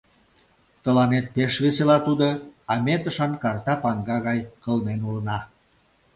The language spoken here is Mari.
Тыланет пеш весела тудо, а ме тышан карта паҥга гай кылмен улына.